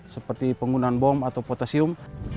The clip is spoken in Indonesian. seperti penggunaan bom atau potasium